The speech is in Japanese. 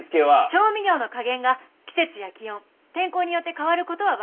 調味料の加減が季節や気温天候によって変わる事はわかっています。